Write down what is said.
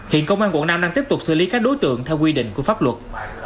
hiện công an quận năm đang tiếp tục xử lý các đối tượng theo quy định của pháp luật